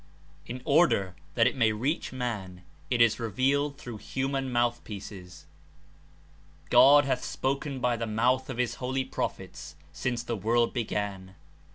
In order that It may reach man It Is revealed through human mouth pieces. ''God hath spoken by the mouth of his holy prophets since the ivorld be gan.''